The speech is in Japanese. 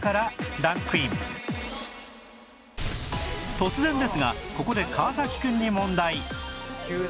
突然ですがここで川くんに問題